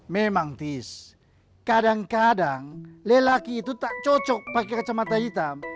memang tis kadang kadang lelaki itu tak cocok pakai kacamata hitam